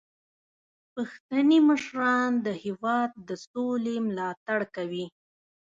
پښتني مشران د هیواد د سولې ملاتړ کوي.